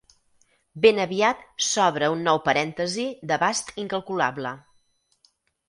Ben aviat s'obre un nou parèntesi d'abast incalculable.